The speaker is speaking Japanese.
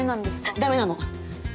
ダメなの！